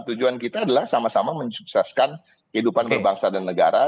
tujuan kita adalah sama sama mensukseskan kehidupan berbangsa dan negara